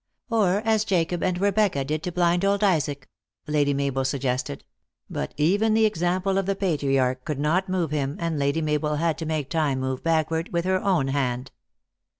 " Or as Jacob and Rebecca did to blind old Isaac," Lady Mabel suggested ; but even the example of the patriarch could not move him, and Lady Mabel had to make time move backward with her own hand.